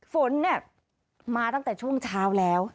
ฝนเนี่ยมาตั้งแต่ช่วงเช้าแล้ว